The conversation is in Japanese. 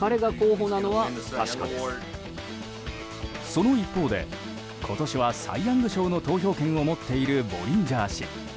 その一方で、今年はサイ・ヤング賞の投票権を持っているボリンジャー氏。